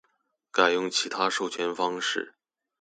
改用其他授權方式